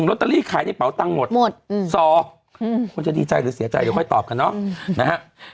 ลอตเตอรี่ขายในเป๋าตังค์หมดสอคุณจะดีใจหรือเสียใจเดี๋ยวค่อยตอบกันเนาะนะฮะ